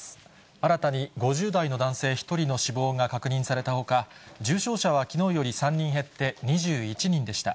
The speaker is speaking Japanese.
新たに５０代の男性１人の死亡が確認されたほか、重症者はきのうより３人減って２１人でした。